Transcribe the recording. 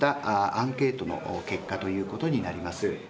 アンケートの結果ということになります。